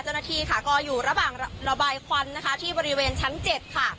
เจ้าหน้าที่ค่ะก็อยู่ระหว่างระบายควันนะคะที่บริเวณชั้น๗ค่ะ